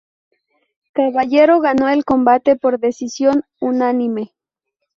Caballero ganó el combate por decisión unánime.